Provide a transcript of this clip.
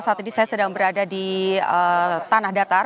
saat ini saya sedang berada di tanah datar